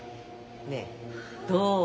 ねえどう？